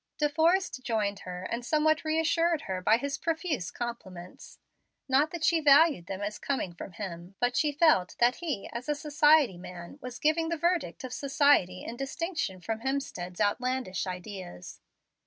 De Forrest joined her soon and somewhat re assured her by his profuse compliments. Not that she valued them as coming from him, but she felt that he as a society man was giving the verdict of society in distinction from Hemstead's outlandish ideas.